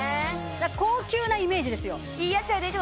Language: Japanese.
高級なイメージですよ